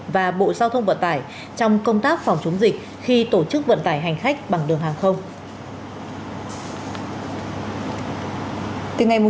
và bộ giao thông vận tải trong công tác phòng chống dịch khi tổ chức vận tải hành khách bằng đường hàng không